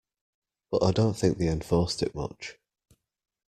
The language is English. But I don't think they enforced it much.